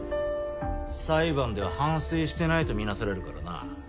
裁判で「反省してない」とみなされるからな。